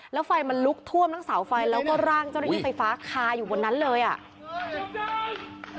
แล้วไฟมันลุกท่วมทั้งเสาไฟแล้วก็ร่างเจ้าหน้าที่ไฟฟ้าคาอยู่บนนั้นเลยอ่ะ